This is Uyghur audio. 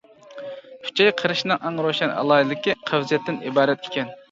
ئۈچەي قېرىشنىڭ ئەڭ روشەن ئالاھىدىلىكى قەۋزىيەتتىن ئىبارەت ئىكەن.